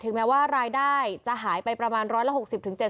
ถึงแม้ว่ารายได้จะหายไปประมาณร้อยละหกสิบถึงเจ็ด